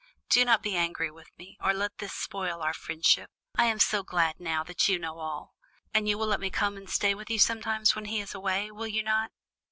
Do not be angry with me, or let this spoil our friendship; I am so glad now that you know all, and you will let me come and stay with you sometimes when he is away, will you not?"